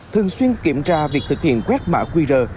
thường xuyên kiểm tra việc thực hiện quét mã qr